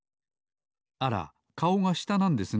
あらかおがしたなんですね。